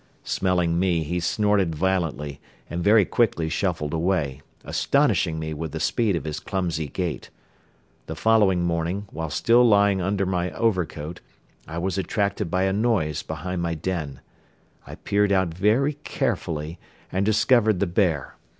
Smelling me, he snorted violently, and very quickly shuffled away, astonishing me with the speed of his clumsy gait. The following morning, while still lying under my overcoat, I was attracted by a noise behind my den. I peered out very carefully and discovered the bear.